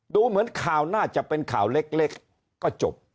ดูเหมือนข่าวน่าจะเป็นข่าวเล็กก็จบ